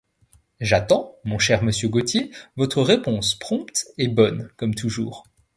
J'attends, mon cher monsieur Gautier, votre réponse prompte et bonne comme toujours.